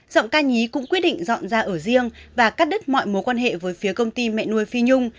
giọng ca nhí cũng quyết định dọn ra ở riêng và cắt đứt mọi mối quan hệ với phía công ty mẹ nuôi phi nhung